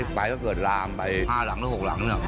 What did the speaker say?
ไปก็เกิดลามไป๕หลังหรือ๖หลังเนี่ย